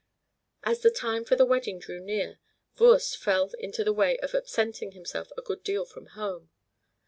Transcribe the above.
As the time for the wedding drew near, Voorst fell into the way of absenting himself a good deal from home.